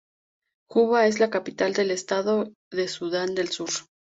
Juba es la capital del estado y de Sudán del Sur.